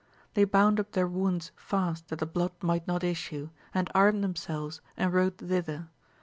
They bound up their wounds fast that the blood might not issue, and armed themselves and rode thither.